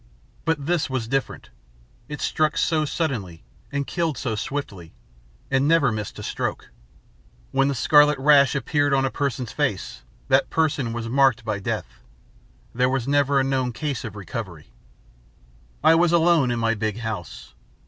But this was different. It struck so suddenly, and killed so swiftly, and never missed a stroke. When the scarlet rash appeared on a person's face, that person was marked by death. There was never a known case of a recovery. "I was alone in my big house.